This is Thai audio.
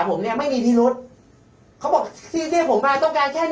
ถ้าผมไม่ให้การอย่างนั้นนะเดี๋ยวคุณก็เอาคำให้การผม